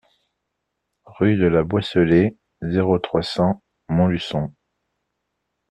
Rue de la Boisselée, zéro trois, cent Montluçon